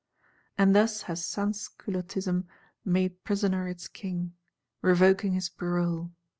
And thus has Sansculottism made prisoner its King; revoking his parole.